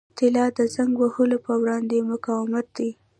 طلا د زنګ وهلو پر وړاندې مقاوم دی.